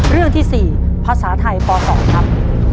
เรื่องที่๔ภาษาไทยป๒ครับ